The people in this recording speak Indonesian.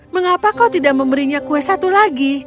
mengapa kau tidak memberinya kue satu lagi